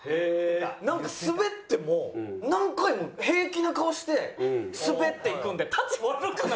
なんかスベっても何回も平気な顔してスベっていくんで。